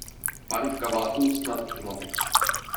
Pán v kabátu snad z latexu.